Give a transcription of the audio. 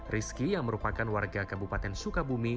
rizky yang merupakan warga kabupaten sukabumi